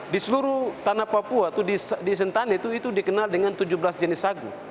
di seluruh tanah papua atau di sentani itu dikenal dengan tujuh belas jenis sagu